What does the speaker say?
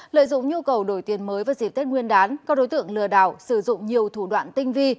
lợi dụng nhu cầu đổi tiền mới vào dịp tết nguyên đán các đối tượng lừa đảo sử dụng nhiều thủ đoạn tinh vi